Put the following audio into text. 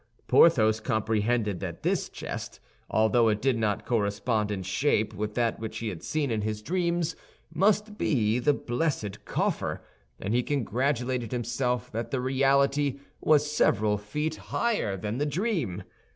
Porthos comprehended that this chest, although it did not correspond in shape with that which he had seen in his dreams, must be the blessed coffer, and he congratulated himself that the reality was several feet higher than the dream.